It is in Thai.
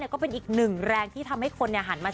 ก็เป็นอีกหนึ่งแรงที่ทำให้คนหันมา